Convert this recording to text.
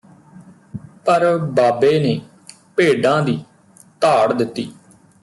ਮਾਰ ਬਾਬੇ ਨੇ ਭੇਡਾਂ ਦੀ ਧਾੜ ਦਿੱਤੀ